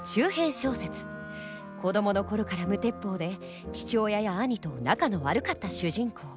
子どもの頃から無鉄砲で父親や兄と仲の悪かった主人公。